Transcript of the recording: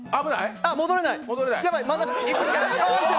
戻れない！